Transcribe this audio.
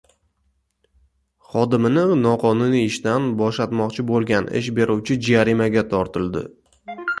Xodimini noqonuniy ishdan bo‘shatmoqchi bo‘lgan ish beruvchi jarimaga tortildi